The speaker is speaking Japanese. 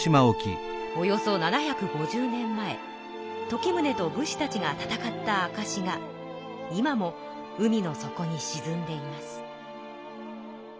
およそ７５０年前時宗と武士たちが戦ったあかしが今も海の底にしずんでいます。